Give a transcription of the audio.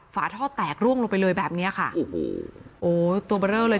ฝาท่อแตกร่วงลงไปเลยแบบเนี้ยค่ะโอ้โหโอ้ตัวเบอร์เลอร์เลย